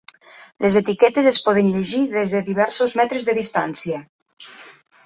Les etiquetes es poden llegir des de diversos metres de distància.